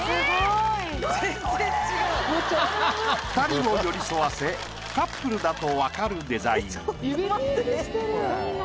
二人を寄り添わせカップルだとわかるデザインに。